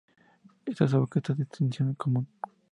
Esto socava esta distinción común.